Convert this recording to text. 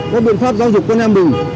có biện pháp giáo dục quân an bình